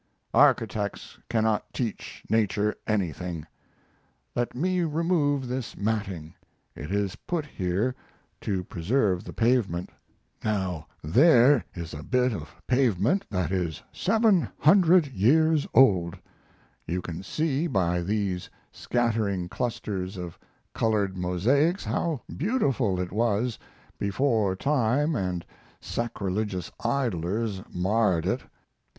Architects cannot teach nature anything. Let me remove this matting it is put here to preserve the pavement; now there is a bit of pavement that is seven hundred years old; you can see by these scattering clusters of colored mosaics how beautiful it was before time and sacrilegious idlers marred it.